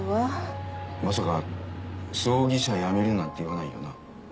まさか葬儀社やめるなんて言わないよな？